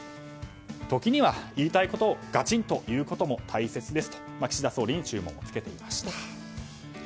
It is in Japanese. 時には言いたいことをガチンということも大切ですと岸田総理に注文を付けていました。